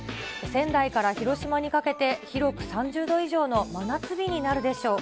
仙台から広島にかけて、広く３０度以上の真夏日になるでしょう。